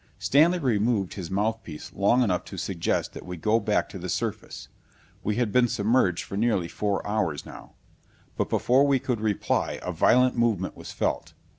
Stanley removed his mouthpiece long enough to suggest that we go back to the surface: we had been submerged for nearly four hours now. But before we could reply a violent movement was felt.